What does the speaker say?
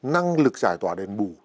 năng lực giải tỏa đèn bù